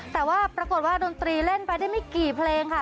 แต่ว่าปรากฏว่าดนตรีเล่นไปได้ไม่กี่เพลงค่ะ